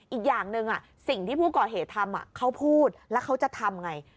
อีกอย่างหนึ่งสิ่งที่ผู้ก่อเหตุทำเขาพูดแล้วเขาจะทำไง